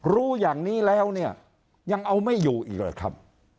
รู้อย่างนี้แล้วเนี่ยยังเอาไม่อยู่อีกเลยครับ